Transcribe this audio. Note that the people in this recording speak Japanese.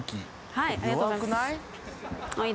はい。